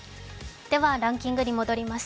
ランキングに戻ります。